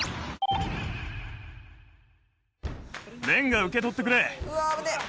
れんが受け取ってくれ。